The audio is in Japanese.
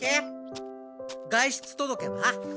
外出届は？